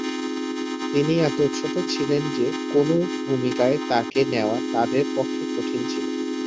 তিনি এত ছোট ছিলেন যে কোনও ভূমিকায় তাকে নেওয়া তাদের পক্ষে কঠিন ছিল।